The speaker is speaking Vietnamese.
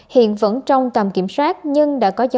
hiện vẫn trong tầm kiểm soát